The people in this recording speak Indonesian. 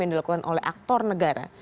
yang dilakukan oleh aktor negara